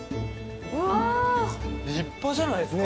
立派じゃないっすか？